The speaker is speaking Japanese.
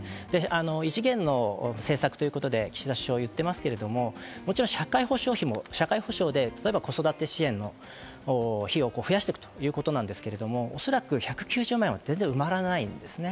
異次元の政策ということで岸田首相が言ってますが社会保障費も子育て支援の費用を増やしていくということなんですけど、おそらく１９０万円は全然埋まらないんですね。